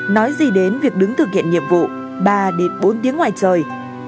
nói gì đến việc đứng thực hiện nhiệm vụ ba bốn tiếng ngoài trời